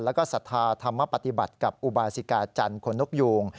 แล้วก็ศรัทธาธรรมปฏิบัติกับอุบาสิกาจันทร์คนนกยูง